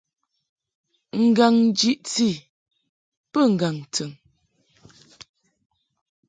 Ngaŋ jiʼti bə ŋgaŋ tɨn.